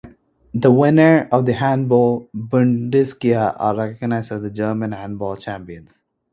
The winners of the Handball-Bundesliga are recognised as the German handball champions.